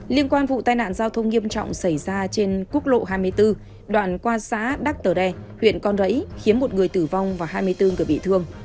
liên quan vụ tai nạn giao thông nghiêm trọng xảy ra trên quốc lộ hai mươi bốn đoạn qua xã đắc tờ đen huyện con rẫy khiến một người tử vong và hai mươi bốn người bị thương